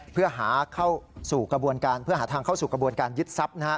เพื่อหาเถิดทางเข้าสู่กระบวนการยึดทรัพย์